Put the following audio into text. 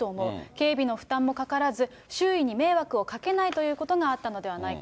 警備の負担もかからず、周囲に迷惑をかけないということがあったのではないか。